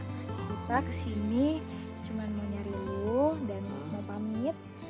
kita kesini cuma mau nyari lu dan mau pamit